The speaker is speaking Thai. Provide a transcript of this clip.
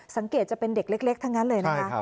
จะเป็นเด็กเล็กทั้งนั้นเลยนะคะ